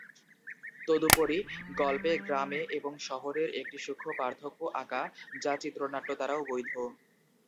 তদুপরি, গল্পে গ্রামে এবং শহরের একটি সূক্ষ্ম পার্থক্য আঁকা যা চিত্রনাট্য দ্বারাও বৈধ।